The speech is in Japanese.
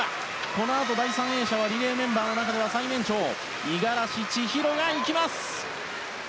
このあと第３泳者はリレーメンバーでは最年長の五十嵐千尋が行きます。